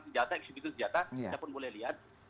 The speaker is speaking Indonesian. senjata ekshibisi senjata siapa pun boleh lihat